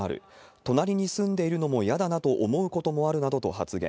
隣に住んでいるのも嫌だなと思うこともあるなどと発言。